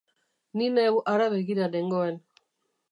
Ni neu hara begira nengoen.